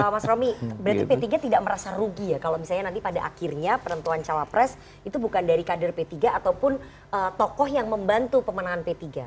mas romy berarti p tiga tidak merasa rugi ya kalau misalnya nanti pada akhirnya penentuan cawapres itu bukan dari kader p tiga ataupun tokoh yang membantu pemenangan p tiga